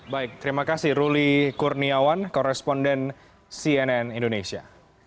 baik terima kasih ruli kurniawan koresponden cnn indonesia